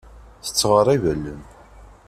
Yettɣerrib allen.